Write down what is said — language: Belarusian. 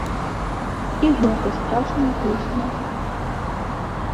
І гэта страшная песня.